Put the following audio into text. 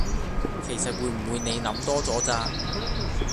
其實會唔會你諗多咗咋？